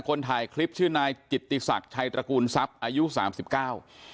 คนถ่ายคลิปชื่อนายกิตติศักดิ์ชัยตระกูลทรัพย์อายุสามสิบเก้า